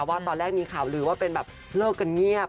ว่าตอนแรกมีข่าวลือว่าเป็นแบบเลิกกันเงียบ